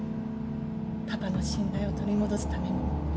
パパの信頼を取り戻すためにも。